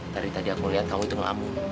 dari tadi aku lihat kamu itu ngamuk